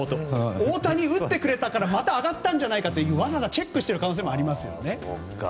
大谷打ってくれたからまた上がったんじゃないかってわざわざチェックしている可能性もありますよね。